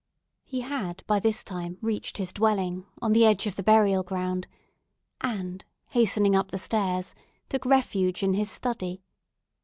He had by this time reached his dwelling on the edge of the burial ground, and, hastening up the stairs, took refuge in his study.